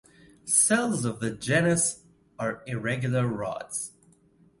Cells of the genus are irregular rods.